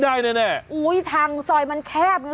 วันนี้จะเป็นวันนี้